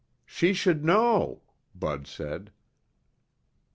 "She should know," Bud said.